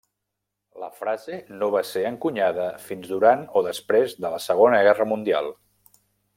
La frase no va ser encunyada fins durant o després de la Segona Guerra Mundial.